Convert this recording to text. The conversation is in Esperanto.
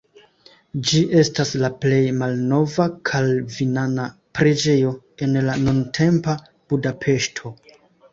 Ĝi estas la plej malnova kalvinana preĝejo en la nuntempa Budapeŝto.